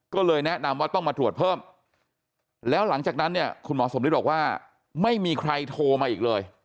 ก็เลยแนะนำว่าต้องมาตรวจเพิ่มแล้วหลังจากนั้นเนี่ยคุณหมอสมฤทธิ์บอกว่าไม่มีใครโทรมาอีกเลย